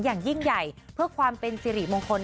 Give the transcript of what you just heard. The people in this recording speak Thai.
อย่างยิ่งใหญ่เพื่อความเป็นสิริมงคล